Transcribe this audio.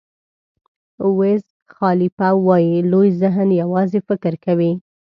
ویز خالیفه وایي لوی ذهن یوازې فکر کوي.